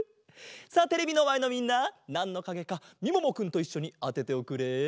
さあテレビのまえのみんななんのかげかみももくんといっしょにあてておくれ。